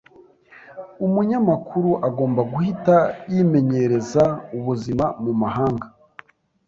Umunyamakuru agomba guhita yimenyereza ubuzima mumahanga.